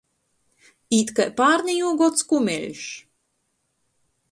Īt kai pārnejuo gods kumeļš!